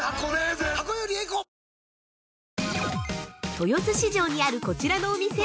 ◆豊洲市場にある、こちらのお店。